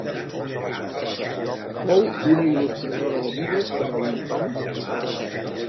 Fou una il·lustradora de llibres per a infants catalana.